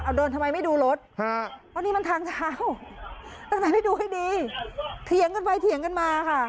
เอาเดินทำไมไม่ดูรถฮะเพราะนี่มันทางเท้าต้องทำให้ดูให้ดีเถียงกันไปเถียงกันมาค่ะ